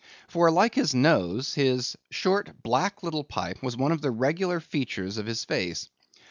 For, like his nose, his short, black little pipe was one of the regular features of his face.